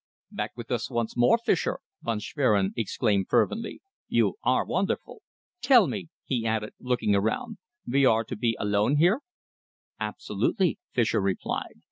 "Back with us once more, Fischer," Von Schwerin exclaimed fervently. "You are wonderful. Tell me," he added, looking around, "we are to be alone here?" "Absolutely," Fischer replied.